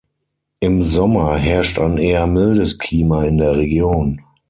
Im Sommer herrscht ein eher mildes Klima in der Region.